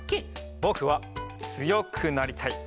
ぼくはつよくなりたい。